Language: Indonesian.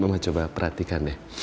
mama coba perhatikan deh